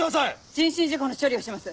人身事故の処理をします。